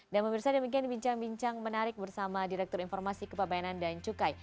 pemirsa demikian bincang bincang menarik bersama direktur informasi kepabayanan dan cukai